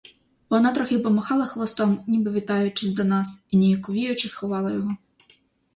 Вона трохи помахала хвостом, ніби вітаючись до нас, і ніяковіючи сховала його.